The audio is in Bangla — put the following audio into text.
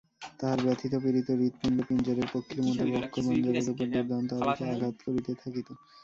তাহার ব্যথিত পীড়িত হৃৎপিণ্ড পিঞ্জরের পক্ষীর মতো বক্ষপঞ্জরের উপর দুর্দান্ত আবেগে আঘাত করিতে থাকিত।